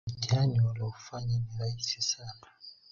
Mtihani walioufanya ni rahisi sana